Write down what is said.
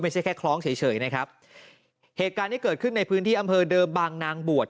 ไม่ใช่แค่คล้องเฉยเฉยนะครับเหตุการณ์ที่เกิดขึ้นในพื้นที่อำเภอเดิมบางนางบวช